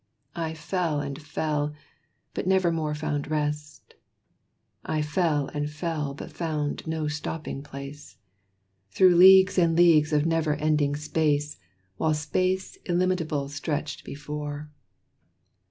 I fell and fell, but nevermore found rest I fell and fell, but found no stopping place, Through leagues and leagues of never ending space, While space illimitable stretched before.